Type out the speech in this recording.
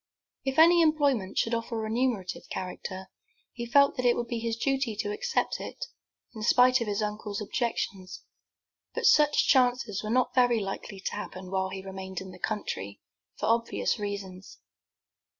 If any employment should offer of a remunerative character, he felt that it would be his duty to accept it, in spite of his uncle's objections; but such chances were not very likely to happen while he remained in the country, for obvious reasons.